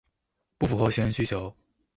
不符合行人需求